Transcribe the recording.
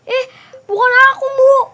eh bukan aku bu